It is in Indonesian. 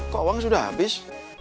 kok uangnya sudah habis